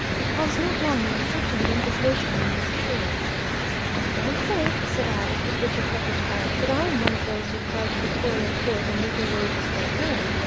I was not long in accepting the invitation you may be sure. "Don't think," said I, after Bridget had retired, "that I am one of those who grudge the toiling poor the meagre wages they earn.